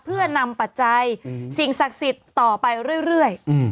เพื่อนำปัจจัยสิ่งศักดิ์สิทธิ์ต่อไปเรื่อย